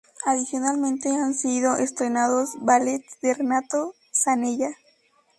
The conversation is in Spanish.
Adicionalmente, han sido estrenados ballets de Renato Zanella.